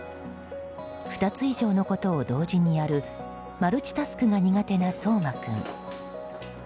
２つ以上のことを同時にやるマルチタスクが苦手な颯馬君。